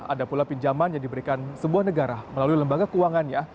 ada pula pinjaman yang diberikan sebuah negara melalui lembaga keuangannya